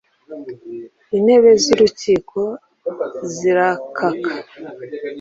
Intebe z’urukiko zirakaka